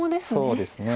そうですね。